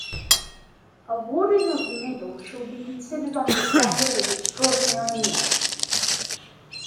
Awarding of the medal shall be considered on the standard of extraordinary merit.